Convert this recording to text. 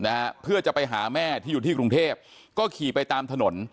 นะฮะเพื่อจะไปหาแม่ที่อยู่ที่กรุงเทพก็ขี่ไปตามถนน